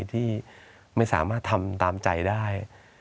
ที่ไม่สามารถทำตามใจได้